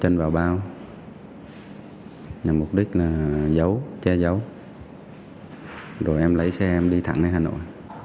năm mục đích là giấu che giấu rồi em lấy xe em đi thẳng đến hà nội